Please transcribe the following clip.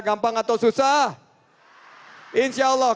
gampang atau susah